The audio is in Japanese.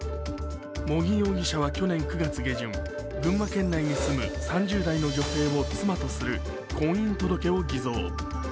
茂木容疑者は去年９月下旬群馬県内に住む３０代の女性を妻とする婚姻届を偽造。